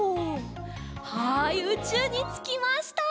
はいうちゅうにつきました。